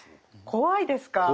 怖いです。